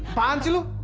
apaan sih lu